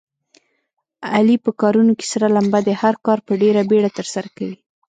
علي په کارونو کې سره لمبه دی. هر کار په ډېره بیړه ترسره کوي.